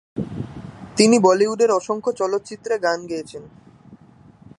তিনি বলিউডের অসংখ্য চলচ্চিত্রে গান গেয়েছেন।